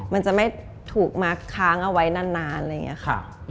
มันจะไม่ถูกมาค้างเอาไว้นานอะไรอย่างนี้ค่ะ